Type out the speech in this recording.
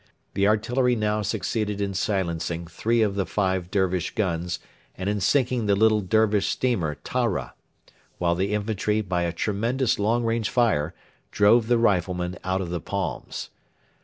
The artillery now succeeded in silencing three of the five Dervish guns and in sinking the little Dervish steamer Tahra, while the infantry by a tremendous long range fire drove the riflemen out of the palms.